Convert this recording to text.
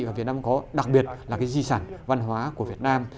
và việt nam có đặc biệt là cái di sản văn hóa của việt nam